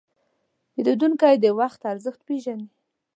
پیرودونکی د وخت ارزښت پېژني.